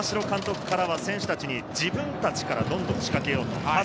山城監督からは、選手たちに自分たちからどんどん仕掛けよう！